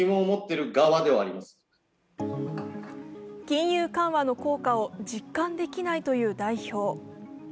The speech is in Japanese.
金融緩和の効果を実感できないという代表。